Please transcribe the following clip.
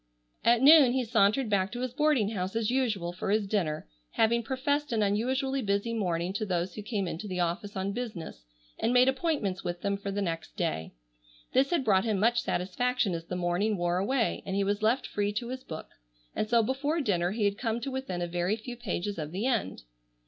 At noon he sauntered back to his boarding house as usual for his dinner, having professed an unusually busy morning to those who came in to the office on business and made appointments with them for the next day. This had brought him much satisfaction as the morning wore away and he was left free to his book, and so before dinner he had come to within a very few pages of the end.